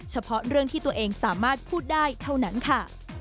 เฉพาะเรื่องที่ตัวเองสามารถพูดได้เท่านั้นค่ะ